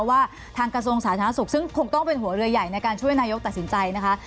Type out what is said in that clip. ว่าทางกระทรวงสาธารณสุขซึ่งคงต้องเป็นหัวเรือใหญ่ในการช่วยนายกตัดสินใจนะคะ